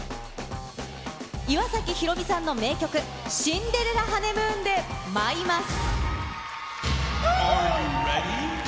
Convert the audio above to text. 岩崎宏美さんの名曲、シンデレラ・ハネムーンで舞います。